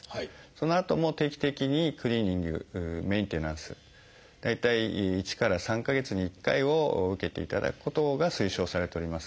そのあとも定期的にクリーニングメンテナンス大体１から３か月に１回を受けていただくことが推奨されております。